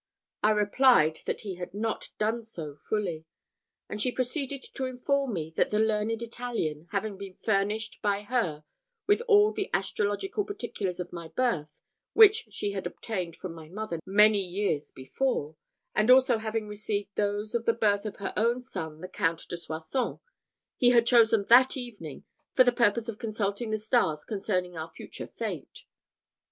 I replied that he had not done so fully; and she proceeded to inform me, that the learned Italian, having been furnished by her with all the astrological particulars of my birth, which she had obtained from my mother many years before, and also having received those of the birth of her own son the Count de Soissons, he had chosen that evening for the purpose of consulting the stars concerning our future fate.